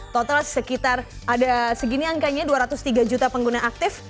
total sekitar ada segini angkanya dua ratus tiga juta pengguna aktif